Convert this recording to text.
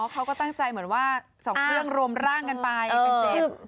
เขาก็ตั้งใจเหมือนว่า๒เครื่องรวมร่างกันไปเป็น๗